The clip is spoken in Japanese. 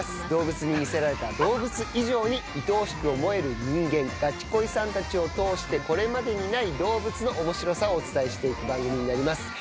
動物に魅せられた動物以上にいとおしく思える人間、がちこいさんたちを通してこれまでにない動物のおもしろさをお伝えしていく番組になります。